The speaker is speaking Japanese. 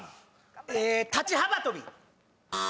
えー立ち幅跳び。